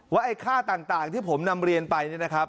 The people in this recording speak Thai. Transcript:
ว่าค่าต่างที่ผมนำเรียนไป